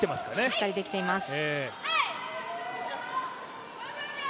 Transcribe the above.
しっかりできています。